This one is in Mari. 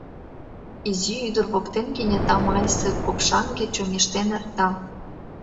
Изи ӱдыр воктен кенета майысе копшаҥге чоҥештен эрта.